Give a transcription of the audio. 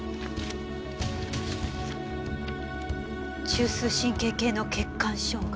「中枢神経系の血管障害」。